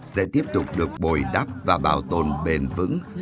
sẽ tiếp tục được bồi đắp và bảo tồn bền vững